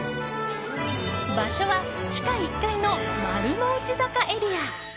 場所は、地下１階の丸の内坂エリア。